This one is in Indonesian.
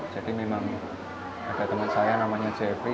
jadi memang ada teman saya namanya jeffrey